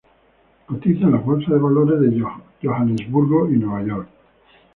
Cotiza en las bolsas de valores de Johannesburgo y Nueva York.